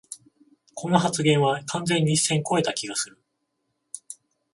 この発言は完全に一線こえた気がする